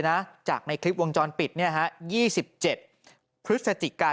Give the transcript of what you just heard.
หลังจากพบศพผู้หญิงปริศนาตายตรงนี้ครับ